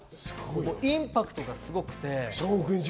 インパクトがすごくて。